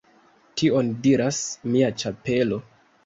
Tion diras mia ĉapelo